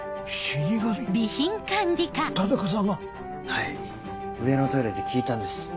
はい上のトイレで聞いたんです。